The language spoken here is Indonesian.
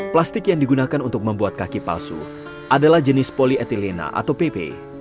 plastik yang digunakan untuk membuat kaki palsu adalah jenis polyetillena atau pp